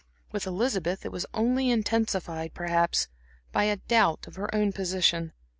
With Elizabeth it was only intensified, perhaps, by a doubt of her own position.